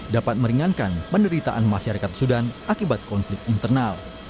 dapat meringankan penderitaan masyarakat sudan akibat konflik internal